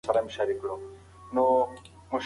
که اره وي نو پرې کول نه ځنډیږي.